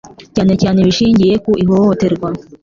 cyane cyane ibishingiye ku ihohoterwa.